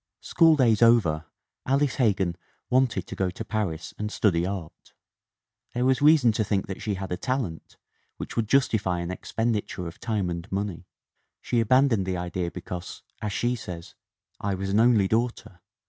School days over, Alice Hegan wanted to go to Paris and study art. There was reason to think that she had a talent, which would justify an expenditure of time and money. She abandoned the idea because, as she says, "I was an only daughter.